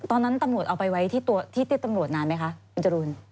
ตอนนั้นตำรวจเอาไปไว้ที่ตำรวจนานไหมคะคุณจรูน